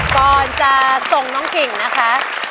ก่อนจะส่งน้องกิ่งนะคะ